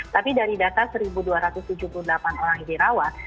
tapi dari data satu dua ratus tujuh puluh delapan orang yang dirawat